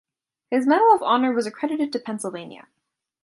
His Medal of Honor was accredited to Pennsylvania.